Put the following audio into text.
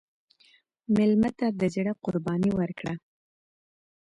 مېلمه ته د زړه قرباني ورکړه.